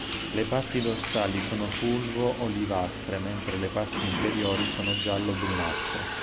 Le parti dorsali sono fulvo-olivastre, mentre le parti inferiori sono giallo-brunastre.